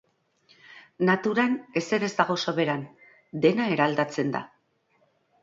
Naturan ezer ez dago soberan, dena eraldatzen da.